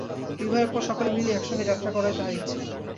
বিবাহের পর সকলে মিলিয়া একসঙ্গে যাত্রা করাই তাঁহার ইচ্ছা।